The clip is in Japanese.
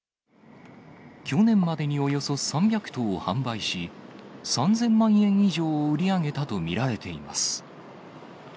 去年までにおよそ３００頭を販売し、３０００万円以上を売り上げたと見られています。